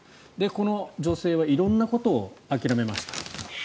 この女性は色んなことを諦めました。